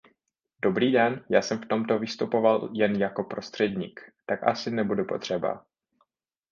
Dobrý den, já jsem v tomto vystupoval jen jako prostředník, tak asi nebudu potřeba.